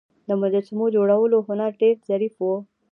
د مجسمو جوړولو هنر ډیر ظریف و